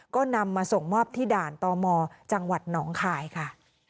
ก็นำมาส่งมอบที่ด่านตมจังหวัดหนองคายค่ะ